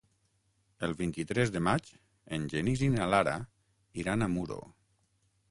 El vint-i-tres de maig en Genís i na Lara iran a Muro.